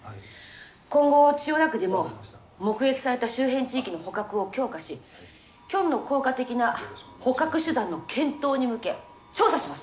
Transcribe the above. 今後千代田区でも目撃された周辺地域の捕獲を強化しキョンの効果的な捕獲手段の検討に向け調査します。